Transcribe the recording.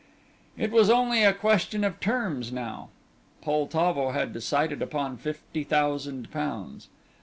It was only a question of terms now. Poltavo had decided upon fifty thousand pounds.